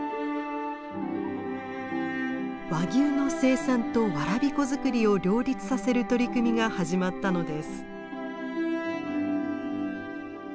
和牛の生産とわらび粉作りを両立させる取り組みが始まったのです。